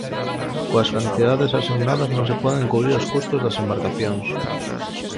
Coas cantidades asignadas non se poden cubrir os custos das embarcacións.